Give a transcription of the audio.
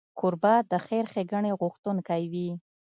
کوربه د خیر ښیګڼې غوښتونکی وي.